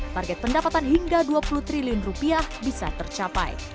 target pendapatan hingga dua puluh triliun rupiah bisa tercapai